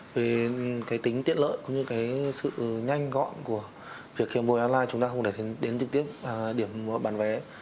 về tính tiện lợi cũng như sự nhanh gọn của việc khiến môi online chúng ta không thể đến trực tiếp điểm bán vé